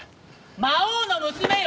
魔王の娘よ！